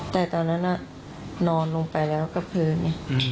แต่ตอนนั้นนอนลงไปแล้วกับพื้น